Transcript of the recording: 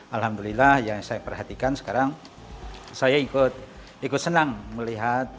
alhamdulillah yang saya perhatikan sekarang saya ikut senang melihat